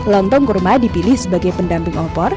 lontong kurma dipilih sebagai pendamping opor